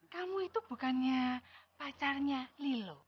kamu itu bukannya pacarnya lilo